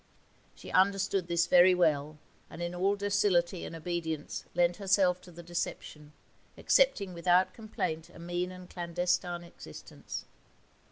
She understood this very well, and in all docility and obedience lent herself to the deception, accepting without complaint a mean and clandestine existence.